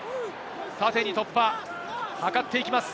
縦に突破を図っていきます。